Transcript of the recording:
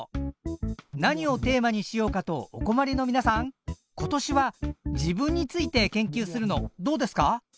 何をテーマにしようかとお困りのみなさん今年は自分について研究するのどうですか？